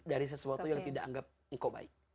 dari sesuatu yang tidak anggap engkau baik